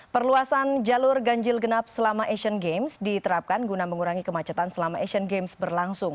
perluasan jalur ganjil genap selama asian games diterapkan guna mengurangi kemacetan selama asian games berlangsung